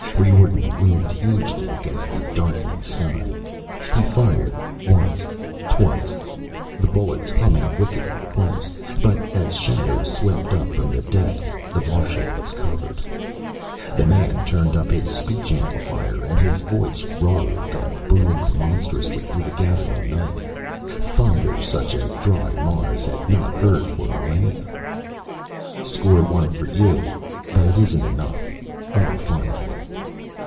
Riordan loomed hugely against the darkening sky. He fired, once, twice, the bullets humming wickedly close, but as shadows swept up from the depths the Martian was covered. The man turned up his speech amplifier and his voice rolled and boomed monstrously through the gathering night, thunder such as dry Mars had not heard for millennia: "Score one for you! But it isn't enough! I'll find you!"